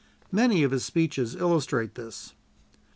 Many of his speeches illustrate this.